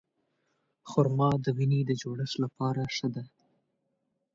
خرما د وینې د جوړښت لپاره ښه ده.